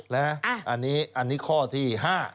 อันนี้ข้อที่๕